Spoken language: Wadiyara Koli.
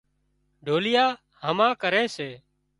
ڍوليئا هما ڪري سي